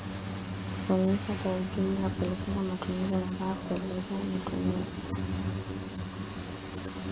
kutumika kwa ujumla kuelezea matumizi mabayakuelezea matumizi